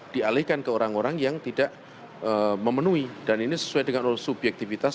dialihkan ke orang orang yang tidak memenuhi dan ini sesuai dengan subjektivitas